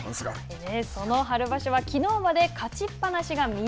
その春場所は、きのうまで勝ちっぱなしが翠